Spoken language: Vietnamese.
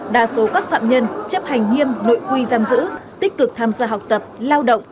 đa số các phạm nhân chấp hành nghiêm nội quy giam giữ tích cực tham gia học tập lao động